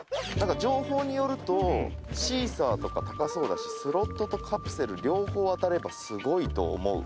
「なんか情報によるとシーサーとか高そうだしスロットとカプセル両方当たれば、すごいと思う」